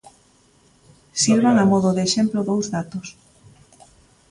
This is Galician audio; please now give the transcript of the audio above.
Sirvan a modo de exemplo dous datos.